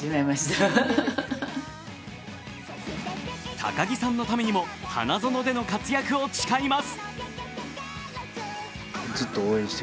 高木さんのためにも花園での活躍を誓います。